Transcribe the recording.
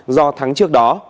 do tháng trước đó